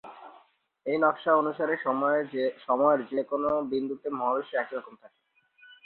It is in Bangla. এই নকশা অনুসারে সময়ের যে কোন বিন্দুতে মহাবিশ্ব একইরকম থাকে।